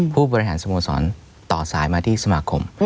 ผู้บริหารสโมสรต่อสายมาที่สมาคม